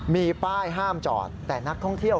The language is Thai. มีป้ายห้ามจอดแต่นักท่องเที่ยว